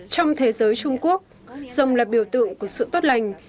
trong thế giới trung quốc rồng là biểu tượng của sự tốt lành